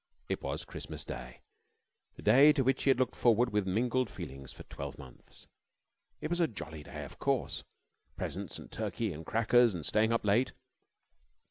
It was Christmas Day the day to which he had looked forward with mingled feelings for twelve months. It was a jolly day, of course presents and turkey and crackers and staying up late.